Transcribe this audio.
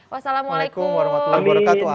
wassalamualaikum warahmatullahi wabarakatuh a